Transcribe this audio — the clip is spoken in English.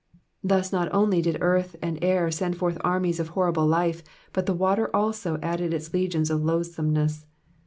Thus not only did earth and air send forth armies of horrible life, but the water also added its legions of loathsomeness.